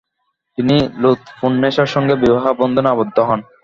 তিনি লুৎফুন্নেসার সঙ্গে বিবাহ বন্ধনে আবদ্ধ হন।